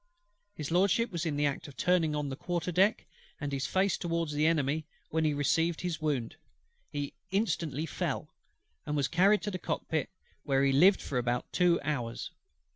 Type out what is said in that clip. HIS LORDSHIP was in the act of turning on the quarter deck with his face towards the Enemy, when he received his wound: he instantly fell; and was carried to the cockpit, where he lived about two hours.